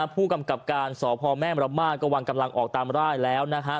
ผู้กำกับการสพแม่มรมาศก็วางกำลังออกตามร่ายแล้วนะฮะ